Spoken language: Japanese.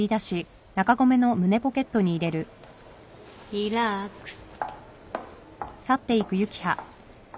リラックス。